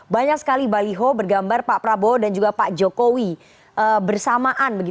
banyak sekali baliho bergambar pak prabowo dan juga pak jokowi bersamaan